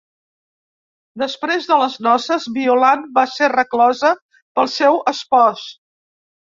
Després de les noces, Violant va ser reclosa pel seu espòs.